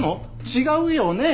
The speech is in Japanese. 違うよね？